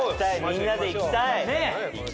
みんなで行きたい。